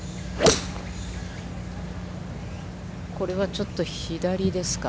これはちょっと左ですか。